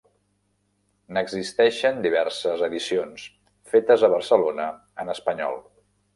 N'existeixen diverses edicions, fetes a Barcelona, en espanyol.